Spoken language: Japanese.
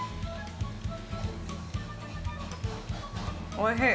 おいしい。